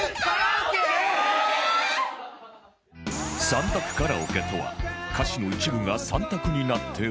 三択カラオケとは歌詞の一部が三択になっており